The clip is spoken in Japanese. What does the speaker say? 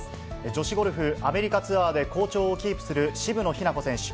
女子ゴルフアメリカツアーで好調をキープする渋野日向子選手。